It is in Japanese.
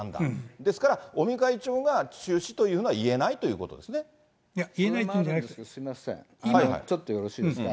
ですから、尾身会長が中止というのは言えないといいや、言えないというんじゃちょっとよろしいですか。